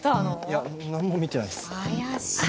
いや何も見てないです怪しい